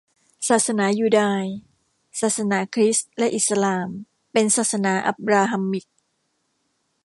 ศาสนายูดาย ศาสนาคริสต์และอิสลาม เป็น ศาสนาอับบราฮัมมิก